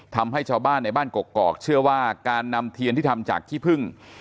ทำให้ชาวบ้านในบ้านกกอกเชื่อว่าการนำเทียนที่ทำจากขี้พึ่ง